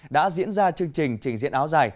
đã diễn ra chương trình trình diễn áo dài